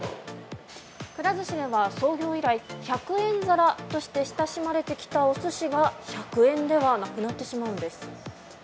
くら寿司では、創業以来１００円皿として親しまれてきたお寿司が１００円ではなくなってしまうんです。